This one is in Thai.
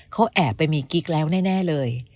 เขาแอบไปมีกิ๊กแล้วแน่เลย